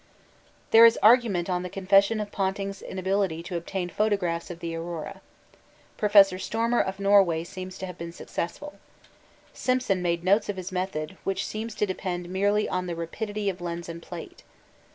There is argument on the confession of Ponting's inability to obtain photographs of the aurora. Professor Stormer of Norway seems to have been successful. Simpson made notes of his method, which seems to depend merely on the rapidity of lens and plate.